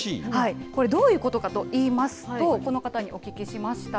これ、どういうことかといいますと、この方にお聞きしました。